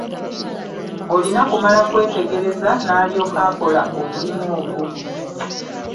Olina kumala kwetegereza n'alyoka akola omulimu ogwo.